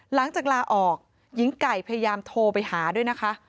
หลังจากลาออกหญิงไก่พยายามโทรไปหาด้วยนะคะ